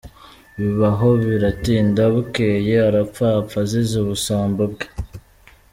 Biba aho biratinda bukeye arapfa; apfa azize ubusambo bwe.